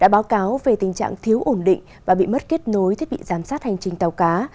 đã báo cáo về tình trạng thiếu ổn định và bị mất kết nối thiết bị giám sát hành trình tàu cá